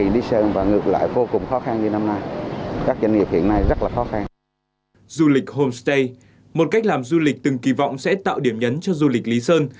du lịch homestay một cách làm du lịch từng kỳ vọng sẽ tạo điểm nhấn cho du lịch lý sơn